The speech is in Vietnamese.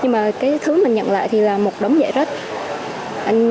nhưng mà cái thứ mình nhận lại thì là một đống dãy rách